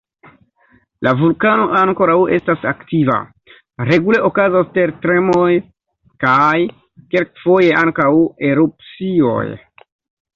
La vulkano ankoraŭ estas aktiva: regule okazas tertremoj kaj kelkfoje ankaŭ erupcioj.